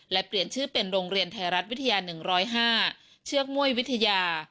และเปลี่ยนชื่อเป็นโรงเรียนไทยรัฐวิทยา๑๐๕เชือกม่วยวิทยา